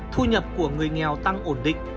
thu nhập của người nghèo tăng ổn định